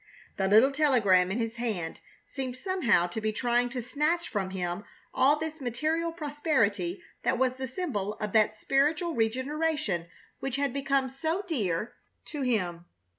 The little telegram in his hand seemed somehow to be trying to snatch from him all this material prosperity that was the symbol of that spiritual regeneration which had become so dear to him.